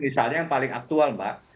misalnya yang paling aktual mbak